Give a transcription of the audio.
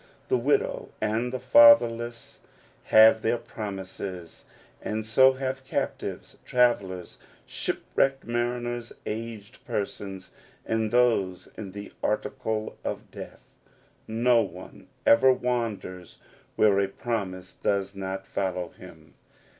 The widow and the fatherless have their promises, and so have captives, travellers, shipwrecked mariners, aged persons, and those in the article of death. No one ever wanders where a promise does not follow him.